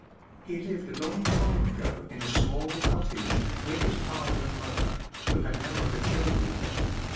He lived a long time ago in a small cottage, with his father and mother, who had no other children.